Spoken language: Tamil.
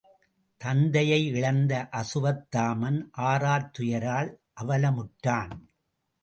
தந்தையை இழந்த அசுவத்தாமன் ஆறாத்துயரால் அவலமுற்றான்.